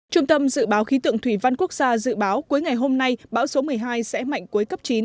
trung tâm dự báo khí tượng thủy văn quốc gia dự báo cuối ngày hôm nay bão số một mươi hai sẽ mạnh cuối cấp chín